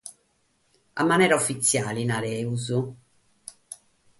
A manera ufitziale, nargiamus.